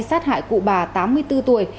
sát hại cụ bà tám mươi bốn tuổi